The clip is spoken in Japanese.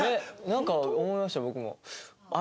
なんか思いました僕も。